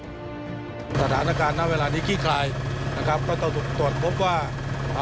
สถานการณ์หน้าเวลานี้คลีกลาย